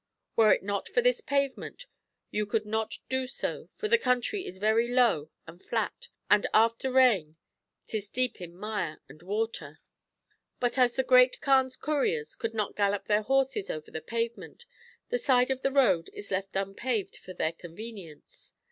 Were it not for this pavement you could not do so, for the country is very low and flat, and after rain 'tis deep in mire and water.^ [But as the Great Kaan's couriers could not gallop their horses over the pavement, the side of the road is left unpaved for their convenience.